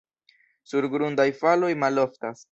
Surgrundaj faloj maloftas.